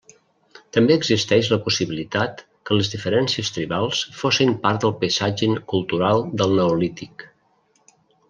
També existeix la possibilitat que les diferències tribals fossin part del paisatge cultural del Neolític.